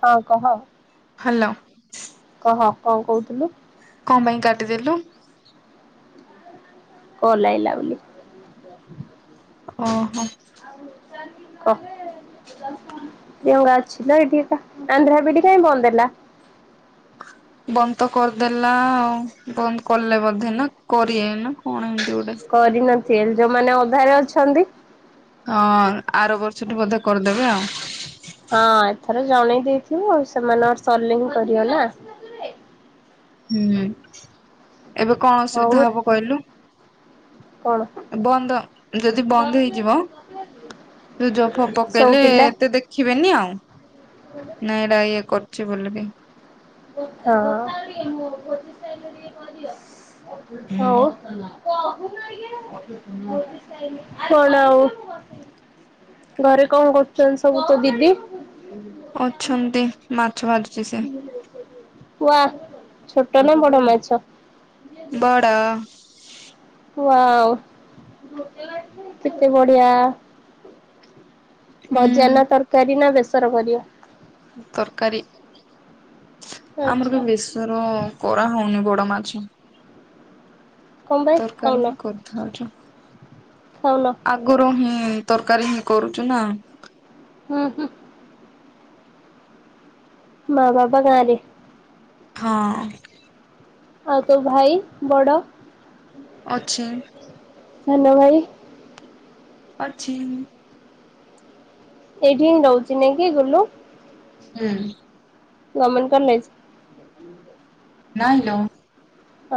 ହଁ କହ । ହ୍ୟାଲୋ। ହଁ କଣ କହୁଥିଲୁ? କଣ ପାଇଁ କାଟିଦେଲୁ? କଲ୍ ଆସିଲା ବୋଲି । ହୁଁ ହୁଁ। ଓ ଅଛି ଏଠିକା ଆନ୍ଧ୍ରା ବି ଇ ଡି କହିଁ ବନ୍ଦ ହେଲା? ବନ୍ଦ ତ କରିଦେଲା ଆଉ ବନ୍ଦ କଲେ ବୋଧେ ନା କରିିବେ ନା କଣ ହେ କରିନୁ? ସେଲ ଯୋ ମାନେ ଘରେ ଅଛନ୍ତି । ହଁ ଆର ବର୍ଷଠୁ ବଧେ କରିଦେବେ ଆଉ । ହଁ ଏଥର । ଜଣେଇ ଦେଇଥିବ ସେମାନଙ୍କ ସରିଲେ ହିଁ କରିବେ ନା? ହୁଁ । ଏବେ କଣ ହଉ ଅସୁବିଧା ହବ କହିଲୁ? କଣ ବନ୍ଦ ଯଦି ବନ୍ଦ ହେଇଯିବ ଜବ ଫବ ସବୁ ପକେଇଲେ ପିଲା ଏତେ ଦେଖିବେନି ଆଉ । ନାଇଁ ଏରା ଇଏ କର । ଜିବଲ ବେ। ଉଃ ହୁଁ ହଁ । ହଉ। କଣ ଆଉ ଘରେ କଣ କରୁଛନ୍ତି ସବୁ ତ ଦିଦି। ହୁଁ। ଅଛନ୍ତି [inaudible] ମାଛ ଭାଜ । କୁହା। ଛୋଟ ନା ବଡ ମାଛ। ବଡ଼। ଆଉ କେତେ ବଢିଆ। ହୁଁ ଭଜା ନା ତରକାରୀ ନା ବେସ ସରବରିଆ। ତରକାରୀ। ଆମର ଆଚ୍ଛା। କେବେ ବେଶଵର କରା ହଉନି ବ। କ ମାଛ। କଣ ପାଇଁ ତରକାର ଖାଉନ ହଁ କରିଥାଉଛ। ଖାଉନ ଆଗରୁ ହୁଁ। ତରକାରୀ ହିଁ କରୁଛୁ ନା। ହୁଁ ହୁଁ। ମା ବାପ ଗାଁ ରେ। ହଁ। ଆଉ ତୋ ଭାଇ ବଡ। ଅଛି। ହଲୋ ଭାଇ। ଅଛି। ଏଇଠି ହିଁ ରହୁଛି ନାଇଁ କି ଗୁଲୁ। ହୁଁ। Government college. ନା ହାଲୋ।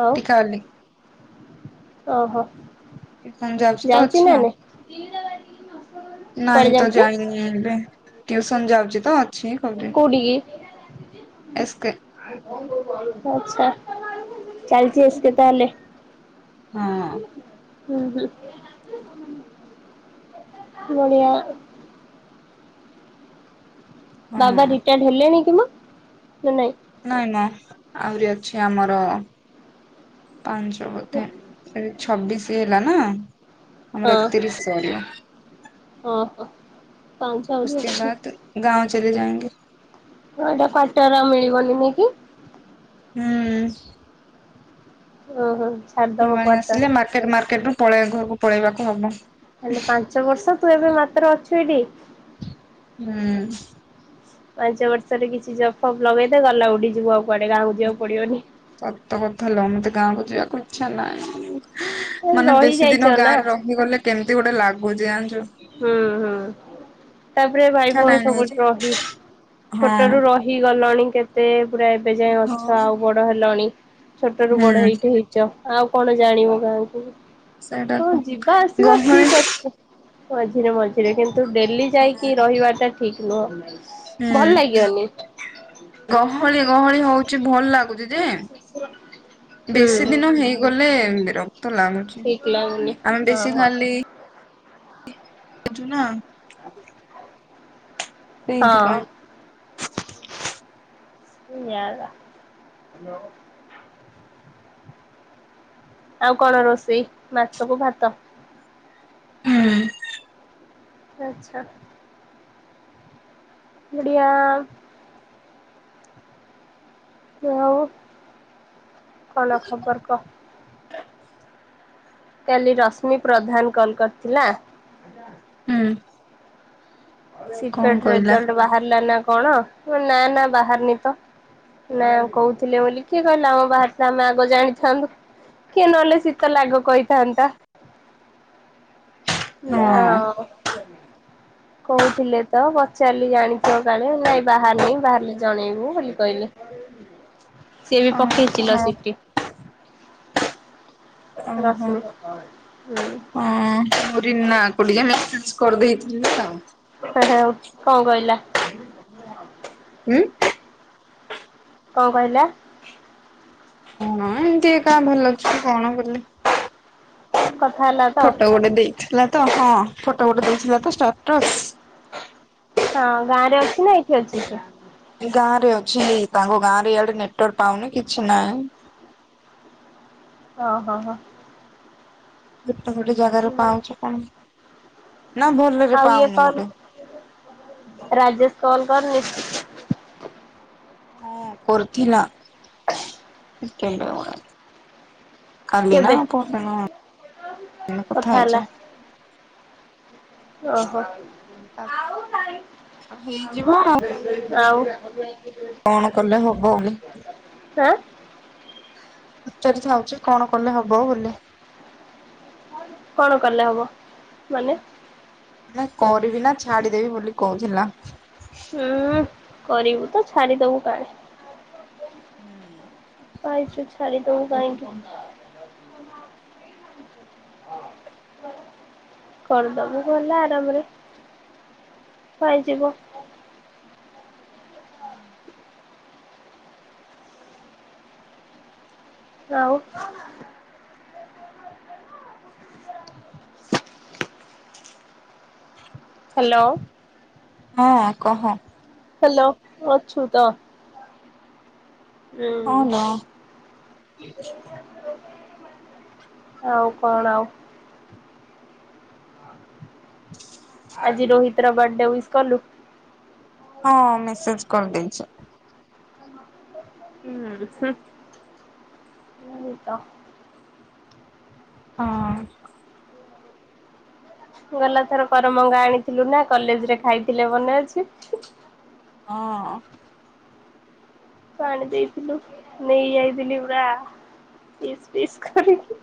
ଆଉ ଟିକା ଅଲି। ଓହୋ। ହୁଁ ଯାଉଚି ତ ଯାଉଛି ନା ଅଛି ଆଉ। ନାଇଁ କୁଆଡେ ନାଇଁ ତ ଯାଉଛି ଯାଇନି ଏବେ। ଟ୍ୟୁସନ୍ ଯାଉଛି ତ। [unintelligible] ଏସ୍କେ ଆ ଆଛା ଚାଲିଛି ଏସ୍କେ ତାହେଲେ। ହଁ ହଁ। ଉ ହୁଁ। ନଡ଼ିିଆ ବାବା ହଁ ରିଟାୟାର୍ଡ ହେଲେଣି କି ମ? ନା ନାଇଁ। ନାଇଁ ନା ଆହୁରି ଅଛି ଆମର ପାଞ୍ଚ ବୋଧେ ଛବିଶ ହେଲା ନା। ହଁ ଆମର ଏତିରିଶା ହଁ ହଁ ପାଞ୍ଚ ଆହୁରି ଉସ୍କେ ଅଛି। ବାଦ ଗାଁଓ ଚଲେ ଯାଉଙ୍ଗି। ହଁ ଏଇଠି କ୍ୱାଟର ଆଉ ମିଳିବନି ନାଇ କି? ହୁଁ। ଓ ହୋ। ଫୁଲବାଣୀ ଆସିଲେ ମାର୍କେଟ ମାର୍କେଟ ରୁ ପଳେଇବା ଘରକୁ ପଳେଇବାକୁ ହବ। ହେଲେ ପାଞ୍ଚ ବର୍ଷ ତୁ ଏବେ ମାତ୍ର ଅଛୁ ଏଠି ହୁଁ। ପାଞ୍ଚ ବର୍ଷରେ କିଛି ଜଫପ୍ ଲଗେଇଦ ଗଲା ଉଡିି ଯିବ ଆଉ । କୁଆଡେ ଗାଁକୁ ଯିବାକୁ ପଡିବନି ସତ କଥା ଲୋ ମତେ । ଗାଁକୁ ଯିବାକୁ ଇଛା ନାହିଁ । ମାନେ ବେଶି ରହିଯାଇଛ ଦିନ ନା ଗାଁରେ ରହିଗଲେ କେମତି ଗୋଟେ ଲାଗୁ। ବଜାଣିଛୁ। ହୁଁ ହୁଁ । ତାପରେ ଭାଇ ଭଉଣୀ ନାହିଁ ନାହିଁ ଯେ ସବୁଠ ରହି ଛୋଟ ହଁ। ରୁ ରହି ଗଲଣି କେତେ ପୁରା ଏବେ ଯାଏ ଅଛ ହଁ। ଆଉ ବଡ ହେଲଣି । ଛୋଟ ରୁ ବଡ ହୁଁ ହେଇଠି ହେଇଛ । ଆଉ କଣ ଜାଣିବ କାହାକୁ ସେଇଟା । ତ ହୁଁ ଯିବା ଆସିବା ଗହଳି ଠିକ ଅଛି । ମଝିରେ ମଝିରେ କିନ୍ତୁ । ତୁ ଡେଲି ଯାଇକି ରହିବାଟା । ଠିକ ନୁହଁ। ଭଲ ଲାଗିବନି ହୁଁ ଗହଳି ଗହଳି ହଉଛି । କିଛି ଭଲ ଲାଗୁଛି। ଯେ ବେଶୀ ହୁଁ ଦିନ ହେଇଗଲେ ରକ୍ତ ଲାଗୁଛି ଠିକ ଲାଗୁନି ଆମେ ହଁ ବେଶୀ ହଁ। ଖାଲି ବୁଝୁନା ଏଇଥି ହଁ ପାଇଁ। [unintelligible] ଶନ୍ୟଲା [inaudible] ଆଉ କଣ ରୋଷେଇ ମାଛକୁ ଭାତ? ହୁଁ। ତୋ ଇଛା। ଏଡିଆ [inaudible] ଆଉ କଣ ଖବର କହ? କାଲି ରଶ୍ମି ପ୍ରଧାନ କଲ କରିଥିଲା ହୁଁ। କଣ ଶୀତଳ କହିଲା ରେଜଲ୍ଟ ବାହାରିଲା ନା କଣ? ନା ନା ବାହାରିନି ତ ନା କହୁଥିଲେ ବୋଲି କିଏ କହିଲା ଆମେ ବାହାରିଥିଲେ ଆମେ ଆଗ ଜାଣିଥାନ୍ତୁ କିଏ ନହେଲେ ଶୀତଲ ଆଗ କହିଥାନ୍ତା। ହଁ ନା କହୁଥିଲେ ତ ପଚାରିଲି ଜାଣିଥିବ କାଳେ ନାଇଁ ବାହାରନି ବାହାରିଲେ ଜଣେଇବୁ ବୋଲି କହିଲେ ସିଏ ବି କିିଚିଲ ଓହୋ ସଠି [inaudible] ଓହୋ। ରଶ୍ମି ହୁଁ। ୁର ନା କୋଡି କରିଦେଇଥିଲେ ନାଉ [unintelligible] ହଁ ହଉ କଣ କହିଲା? ଆ [unintelligible] ହୁଁ? କଣ କହିଲା? କଣ ଏମିତି କା ଭଲ ଅଛୁ କଣ ବୋଲି? [inaudible] ଫୋଟୋ ଗୋଟେ ଦେଇଥିଲା ତ ହଁ। ଫୋଟୋ ଗୋଟେ ଦେଇଥିଲା ତ ଷ୍ଟାଟ୍ରସ। ହଁ ଗାଁ ରେ ଅଛି ନା ଏଇଠି ଅଛି ସେ? ଗାଁ ରେ ଅଛି ତାଙ୍କ ଗାଁ ରେ ଇଆଡେ ନେଟୱାର୍କ ପାଉନି କିଛି ନାହିଁ। ଓ ହୋ ହୋ। ହ [inaudible] ଗୋଟେ ଜାଗାରୁ ପାଉଁଜି ପୁଣି ଆଉ ଇଏ କଣ ରାଜେସ୍ କଲ କରନି। ହଁ କରର୍ଥିଲଥିଲାଣ୍ଡ [inaudible] କାଲି ନା କେବେ କୋଉ ଦିନ କଥା ହେଇଛ? ଓ ହୋ। ଆଉ ତାର। ହେଇଯିବ ଆଉ ଆଉ କଣ କଲେ ହବ? ଆଁ ପଚାରିଥାଉଛି କଣ କଲେ ହବ। ବୋଲି। କଣ କଲେ ହବ? ମାନେ ନା କରିବି ନା ଛାଡିଦେବି ବୋଲି କହୁଥିଲା। ହୁଁ କରିବୁ। ତ ଛାଡ଼ିଦବୁ କାଲେ ହୁଁ। । ପାଇଛୁ ଛାଡ଼ି ତୁ କହିଁକି? କରିଦବୁ ଗଲେ ଆରାମରେ ପାଇଯିବ। ଆଉ ହ୍ୟାଲୋ। ହଁ କହ। ହ୍ୟାଲୋ ଅଛୁତ ହଁ ହୁଁ। ଲୋ ଆଉ କଣ ଆଉ? ଆଜି ରୋହିତର ବାର୍ଡେ ଉଇସ୍ କଲୁ। ହଁ ମେସେଚ କରିଦେଇଚି। ହୁଁ ହଁ [unintelligible] ତ ହଁ। ଗଲାଥର କରମଙ୍ଗା ଆଣିଥିଲୁ ନା କଲେଜରେ ଖାଇଥିଲେ ମନେ ଅଛି। ହଁ ପାଣି ଦେଇଥିଲୁ ନେଇ ଯାଇଥିଲି ପୁରା ପିସ୍ ପିସ୍ ଖରିକି।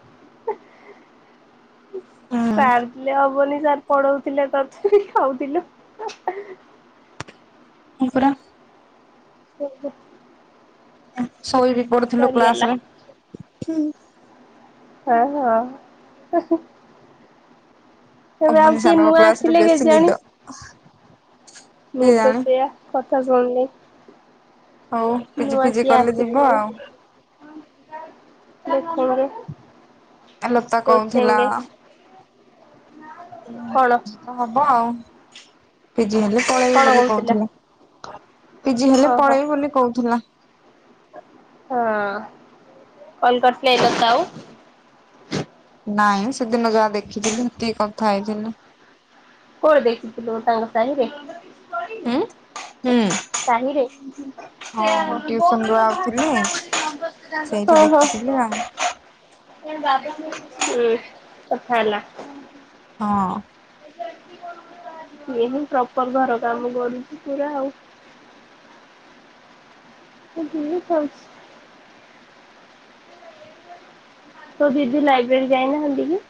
ହୁଁ ସାରଲେ ହବନି। ସାର ପଢଉଥିଲେ ତଥାବି ଖାଉଥିଲୁ। ମୁ ପୁରା। ଓହୋ। ଶୋଇ ବି ପଡୁଥିଲୁ କ୍ଲାସରେ। ହୁଁ। ହ ହଁ। ଏବେ ଆଉ ହବନି କିଏ ସାନଙ୍କ ନୂଆ କ୍ଲାସ ରେ ଆସିଲେ ବେଶୀ କେଜାଣି ନିଦ ମୁତ କେଜାଣି। ସେଇୟା କଥା ଶୁଣିଲି। ହଉ ପିଜି ପିଜି କଲେ ଯିବ ଆସିଥିବେ ଆଉ। ଦେଖଉନ । ଲତା କହୁଥିଲା କଣ ହବ ଆଉ। ଯେହେଲେ ପଳେଇବେ କଣ ବୋଲି କହୁଥିଲା କହୁଥିଲେ। ପିଜି ହେଲେ ଓହୋ ପଳେଇ ବୋଲି କହୁଥିଲା। [inaudible] ହଁ କଲକରିଥିଲା ତୋତେଆଉ ନାଇଁ ସେଦିନ ଯାହା ଦେଖିଥିଲିତି କଥା ହେଇଥିଲି । କଣ ଦେଖିଥିଲୁ ଲ ତାଙ୍କ ସାହିରେ। ହ ହ ହୁଁ ହୁଁ। ହଁ ମୁଁ ହୁ ଟିଉସନ ରୁ ଆଉଥିଲି ସେଇଠି ଦେଖୁଥିଲି ଆଉ କଥା ହେଲା। ହଁ। ହିଁ ପ୍ରପର ଘର କାମ କରୁଛି ପୁରା ଆଉ। ଜିଲ ଖାଉଛି। ତ ଦିଦି ଲାଇବ୍ରେରୀ ଯାଇନାହାନ୍ତି କି?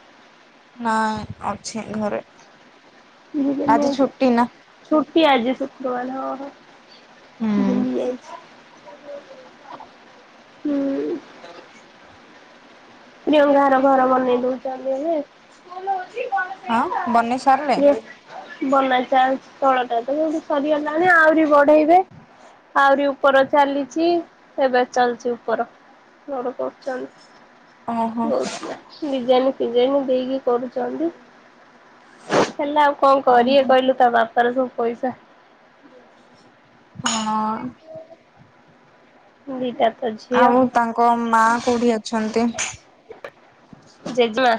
ନାଇଁ ଅଛି ଘରେ। ଯିବି ମୁଁ ଆଜି ଛୁଟି ନା ଛୁ । ପିଆଜି ଶୁକ୍ରବାର। ହୁଁ । ଭୁଲି ଆଛି। ହୁଁ। ପ୍ରିୟଙ୍କା ର ଘର ବନେଇ ଦଉଛନ୍ତି ଏବେ। ହଁ ବନେଇ ସାରିଲେ? ପ୍ରିୟ ବନା ଚାଲିଛି ତଳଟା ତଠ ସରିଗଲାଣି ଆହୁରି ବଢେଇବେ ଆହୁରି ଉପର ଚାଲିଛି ଏବେ ଚାଲଛି ଉପରଡ କରୁ ବହୁତ ଓହୋ ଡୀ ଜାନ ବିରିଣୀ ଦେଇକି କରୁଛନ୍ତି। ହେଲା ଆଉ କଣ କରେ ଓହୋ କହିଲୁ ତା ବାପା ତାର ସବୁ ପଇସା। ହଁଅ-ଅ-ଅ ଦିଟା। ତ ଝିଅ ଆଉ ତାଙ୍କ ମା। କୋଉଠି [inaudible] ଅଛନ୍ତି। ଜେଜେମା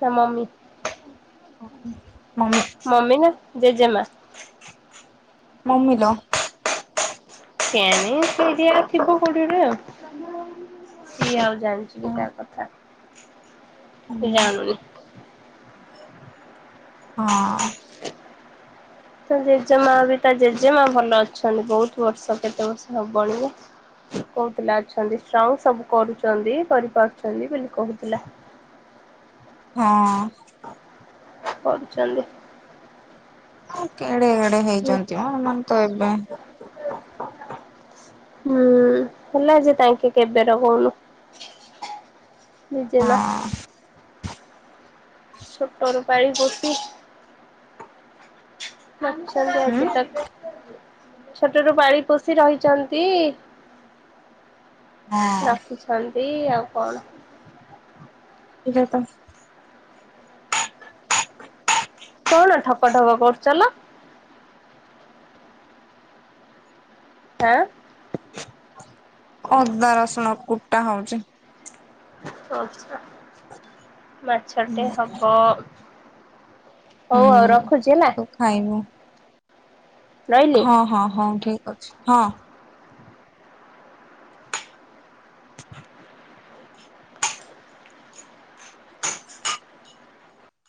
ନା ମମି? [unintelligible] ମମି ନା ଜେଜେମା। ମମିଲା। କେନି ସେଇଠି ଆଉ ଥିବ କୋଉଠି ଗୋଟେ, ସିଏ ଆଉ ଜାଣିଛି କି ହଁ। ତା କଥା। ସିଏ ଜାଣୁନି। ହଁ। ତା ଜେଜେମା ବି ତା ଜେଜେମା ଭଲ ଅଛନ୍ତି ବହୁତ ବର୍ଷ କେତେ ବର୍ଷ ହବଣି ଯେ, କହୁଥିଲା ଅଛନ୍ତି ଷ୍ଟ୍ରଙ୍ଗ୍ ସବୁ କରୁଛନ୍ତି କରିପାରୁଛନ୍ତି ବୋଲି କହୁଥିଲା। ହଁ କରୁଛନ୍ତି। ଓକେ। ଏଡେ ଏଡେ ହେଲା ହେଇଛନ୍ତି ମ ଏମାନେ ତ ଏବେ। ହୁଁ ଉଁ-ଉଁ ହେଲା ଯେ ତାଙ୍କେ କେବେର କହୁନ? ଜେଜେମା। ହଁ। ଛୋଟରୁ ପାଳି ପୋଷି ଅଛନ୍ତି ହୁଁ ଆଜିକା [inaudible] ଛୋଟରୁ ପାଳି ପୋଷି ରହିଛନ୍ତି। ହଁ ରଖିଛନ୍ ଏଇ ଆଉ କଣ। [unintelligible] ତ କଣ ଠକ ଠକ କରୁଚଲ? ଏଁ ଅଦା ରସୁଣ କୁଟା ହଉଚି। ଆଚଛା। ମାଛଟେ ହବ ହଉ ଆଉ ହୁଁ ରଖୁଛି ହେଲା। ତୁ ଖାଇବୁ ରହିଲି। ହଁ- ହଁ -ହଁ ଠି ଅଛି, ହଁ।